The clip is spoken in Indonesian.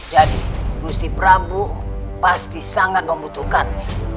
jadi gusti prabu pasti sangat membutuhkannya